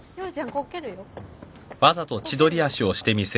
こけるよ。